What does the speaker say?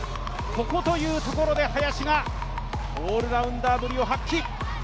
ここというところで林がオールラウンダーぶりを発揮。